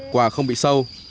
quả không bị sâu